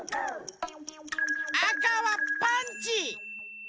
あかはパンチ！